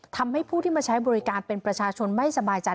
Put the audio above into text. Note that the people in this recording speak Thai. ทำให้ผู้ที่มาใช้บริการเป็นประชาชนไม่สบายใจ